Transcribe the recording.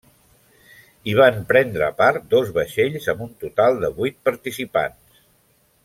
Hi va prendre part dos vaixells amb un total de vuit participants.